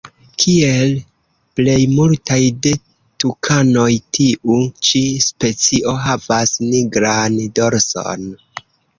Kiel plej multaj de tukanoj tiu ĉi specio havas nigran dorson.